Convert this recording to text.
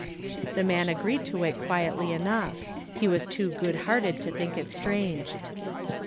The man agreed to it quietly enough. He was too good hearted to think it strange.